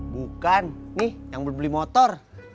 bukan nih yang beli motor